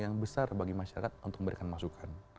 yang besar bagi masyarakat untuk memberikan masukan